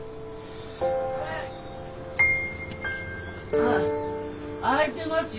・ああ開いてますよ。